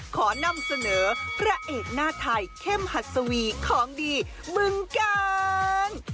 ขอนำเสนอพระเอกหน้าไทยเข้มหัดสวีของดีเมืองกาล